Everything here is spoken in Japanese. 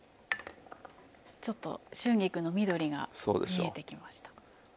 ちょっと春菊の緑が見えてきました。